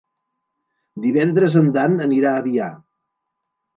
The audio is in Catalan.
Divendres en Dan anirà a Biar.